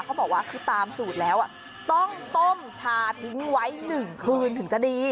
เขาบอกว่าคือตามสูตรแล้วต้องต้มชาทิ้งไว้๑คืนถึงจะดี